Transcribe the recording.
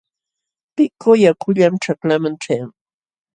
Pitku yakullam ćhaklaaman ćhayan.